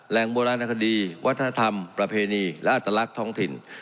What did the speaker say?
โบราณคดีวัฒนธรรมประเพณีและอัตลักษณ์ท้องถิ่น